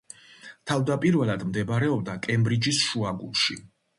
თავდაპირველად მდებარეობდა კემბრიჯის შუაგულში.